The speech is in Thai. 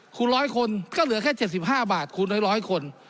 คูณร้อยคนก็เหลือแค่เจ็ดสิบห้าบาทคูณร้อยร้อยคน